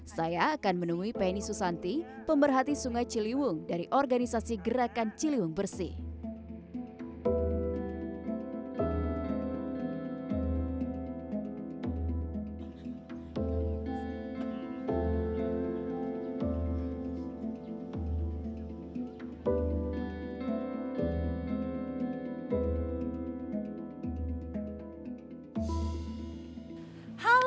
saya akan menemui penny susanti pemberhati sungai ciliwung dari organisasi gerakan ciliwung bersih